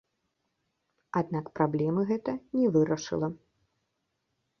Аднак праблемы гэта не вырашыла.